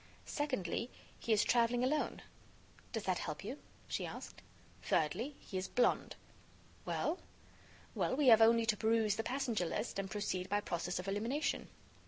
"Secondly, he is traveling alone." "Does that help you?" she asked. "Thirdly, he is blonde." "Well?" "Then we have only to peruse the passenger list, and proceed by process of elimination."